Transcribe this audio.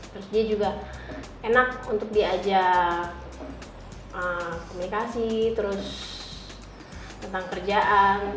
terus dia juga enak untuk diajak komunikasi terus tentang kerjaan